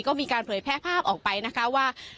ก็มีการเผยแพร่ภาพออกไปนะคะว่า